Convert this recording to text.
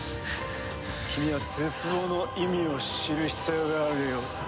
君は絶望の意味を知る必要があるようだ。